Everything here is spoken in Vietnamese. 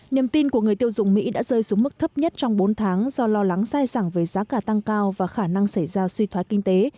niềm tin của người tiêu dùng mỹ đã rơi xuống mức thấp nhất trong bốn tháng do lo lắng sai sẳng về giá cả tăng cao và khả năng xảy ra suy thoái kinh tế